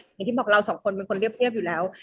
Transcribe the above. อย่างที่บอกเราสองคนเป็นคนเรียบอยู่แล้ว